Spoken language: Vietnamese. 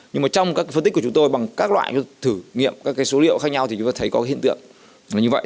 nhưng mà trong các phân tích của chúng tôi bằng các loại thử nghiệm các cái số liệu khác nhau thì chúng ta thấy có hiện tượng như vậy